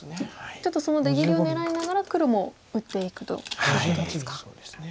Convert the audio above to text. ちょっとその出切りを狙いながら黒も打っていくということですか。